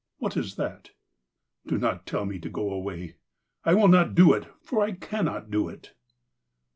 ''What is that?" '' Do not tell me to go away. I icill not do it, for I cannot do it."